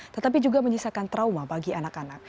tetapi juga menyisakan trauma bagi anak anak